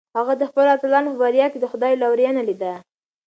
هغه د خپلو اتلانو په بریا کې د خدای لورینه لیده.